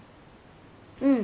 うん。